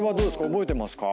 覚えてますか？